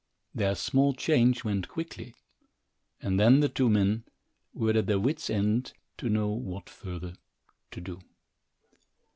Their small change went quickly, and then the two men were at their wit's end to know what further to do.